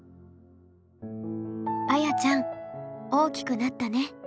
「あやちゃん大きくなったね。